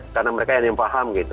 karena mereka yang paham gitu